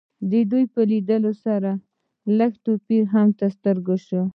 د دوی په لیدو سره لږ توپیر تر سترګو شي